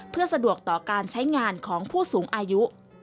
เพื่อสะดวกต่อการใช้งานของผู้สูงอายุ